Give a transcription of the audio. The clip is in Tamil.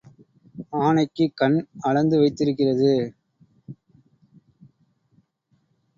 ஆனைக்குக் கண் அளந்து வைத்திருக்கிறது.